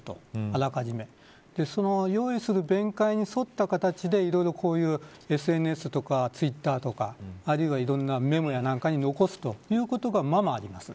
あらかじめ。用意する弁解に沿った形でこういうＳＮＳとかツイッターとかあるいはメモなどに残すということが、まあまああります。